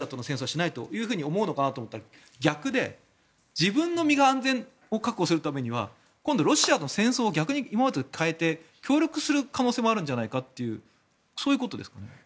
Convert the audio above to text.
ロシアとの戦争はしないと思うのかなと思ったら逆で自分の身の安全を確保するためには今度、ロシアの戦争は逆に今までと変えて協力する可能性もあるんじゃないかということですか。